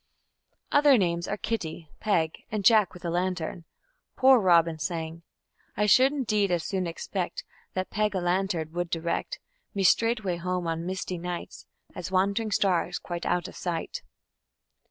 Other names are "Kitty", "Peg", and "Jack with a lantern". "Poor Robin" sang: I should indeed as soon expect That Peg a lantern would direct Me straightway home on misty night As wand'ring stars, quite out of sight.